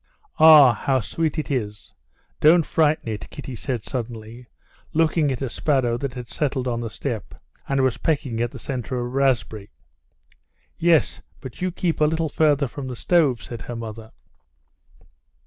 "Ah! how sweet it is! don't frighten it!" Kitty said suddenly, looking at a sparrow that had settled on the step and was pecking at the center of a raspberry. "Yes, but you keep a little further from the stove," said her mother.